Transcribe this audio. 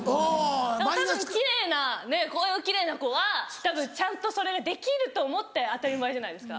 たぶん奇麗なこういう奇麗な子はたぶんちゃんとそれができると思って当たり前じゃないですか。